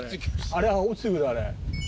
あれは落ちてくるあれ。